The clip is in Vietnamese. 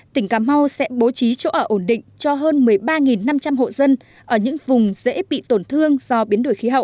tỉnh cà mau sẽ bố trí chỗ ở ổn định cho hơn một mươi ba năm trăm linh hộ dân ở những vùng dễ bị tổn thương do biến đổi khí hậu